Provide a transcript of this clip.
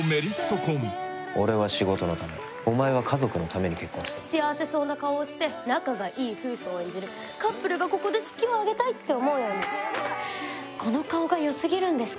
俺は仕事のためお前は家族のために結婚した幸せそうな顔をして仲がいい夫婦を演じるカップルがここで式を挙げたいって思うようにこの顔がよすぎるんですかね？